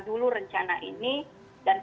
dulu rencana ini dan